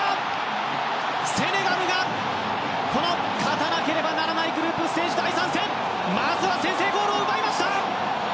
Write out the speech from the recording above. セネガルが勝たなければならないグループステージ第３戦まずは先制ゴールを奪いました！